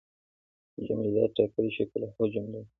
جامدات ټاکلی شکل او حجم لري.